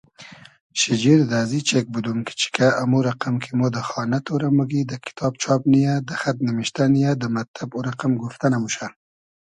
شیجیر دۂ ازی چېگ بودوم کی چیکۂ امو رئقئم کی مۉ دۂ خانۂ تۉرۂ موگی دۂ کیتاب چاب نییۂ دۂ خئد نیمیشتۂ نییۂ دۂ مئتتئب او رئقئم گوفتۂ نئموشۂ